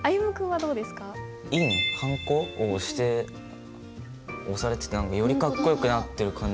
はんこを押して押されててよりかっこよくなってる感じが。